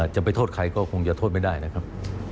จะไปโทษใครก็คงจะโทษไม่ได้นะครับ